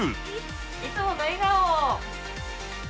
いつもの笑顔！